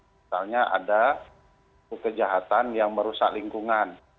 misalnya ada kejahatan yang merusak lingkungan